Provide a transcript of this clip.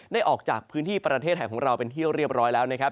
ออกจากพื้นที่ประเทศไทยของเราเป็นที่เรียบร้อยแล้วนะครับ